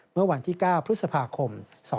เมื่อวันที่๙พฤษภาคม๒๕๖๒